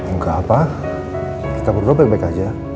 nggak pak kita berdua baik baik aja